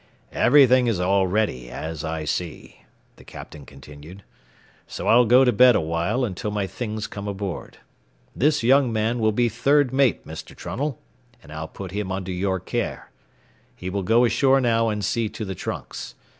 "Everything is all ready, as I see," the captain continued. "So I'll go to bed awhile until my things come aboard. This young man will be third mate, Mr. Trunnell, and I'll put him under your care. He will go ashore now and see to the trunks.